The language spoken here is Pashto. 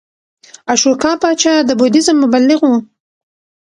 اشوکا پاچا د بودیزم مبلغ و